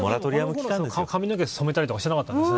髪の毛、染めたりとかしてなかったんですね。